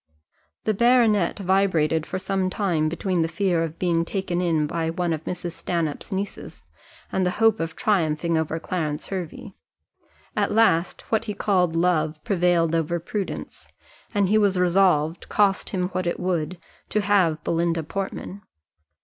The baronet vibrated for some time between the fear of being taken in by one of Mrs. Stanhope's nieces, and the hope of triumphing over Clarence Hervey. At last, what he called love prevailed over prudence, and he was resolved, cost him what it would, to have Belinda Portman.